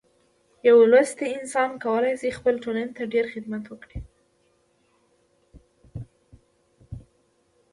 یو لوستی انسان کولی شي خپلې ټولنې ته ډیر خدمت وکړي.